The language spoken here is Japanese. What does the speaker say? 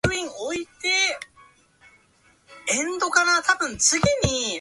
茨城県へ行く